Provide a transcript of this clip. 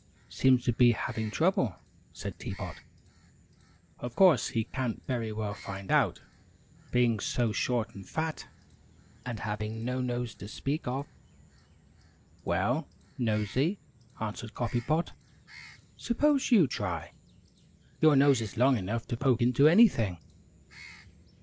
"Seems to be having trouble," said Tea Pot. "Of course, he can't very well find out being so short and fat, and having no nose to speak of." "Well, Nosey," answered Coffee Pot, "suppose you try your nose is long enough to poke into anything!"